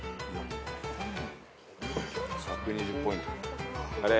・１２０ポイント。